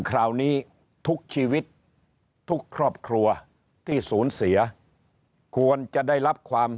คราวนี้ทุกชีวิตทุกครอบครัวที่ศูนย์เสียควรจะได้รับความ